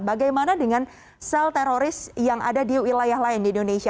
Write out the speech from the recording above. bagaimana dengan sel teroris yang ada di wilayah lain di indonesia